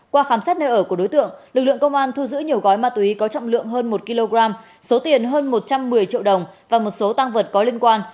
qua khám xét nơi ở của đối tượng lực lượng công an thu giữ nhiều gói ma túy có trọng lượng hơn một kg số tiền hơn một trăm một mươi triệu đồng và một số tăng vật có liên quan